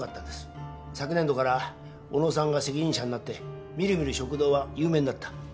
昨年度から小野さんが責任者になって見る見る食堂は有名になった。